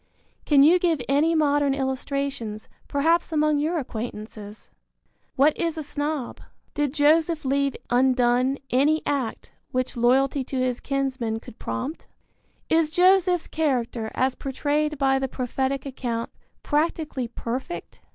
Can you give any modern illustrations, perhaps among your acquaintances? What is a snob? Did Joseph leave undone any act which loyalty to his kinsmen could prompt? Is Joseph's character as portrayed by the prophetic account practically perfect?